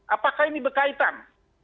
apakah ini berkaitan